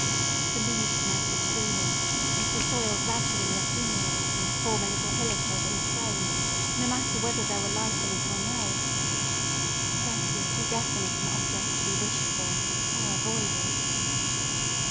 The leaves might bestrew him, and the soil gradually accumulate and form a little hillock over his frame, no matter whether there were life in it or no. Death was too definite an object to be wished for or avoided.